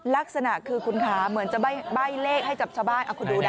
ลักษณะคือคุณคะเหมือนจะใบ้เลขให้กับชาวบ้านเอาคุณดูนะ